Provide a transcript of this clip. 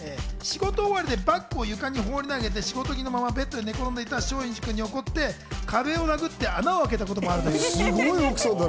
仕事終わりでバッグを床に放り投げて、仕事着のままベットに寝転んでいた松陰寺君に激怒して壁を殴って穴を開けたこともあるそうなんです。